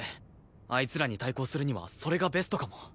あいつらに対抗するにはそれがベストかも。